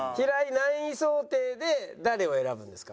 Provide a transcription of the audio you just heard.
何位想定で誰を選ぶんですか？